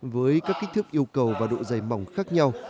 với các kích thước yêu cầu và độ dày mỏng khác nhau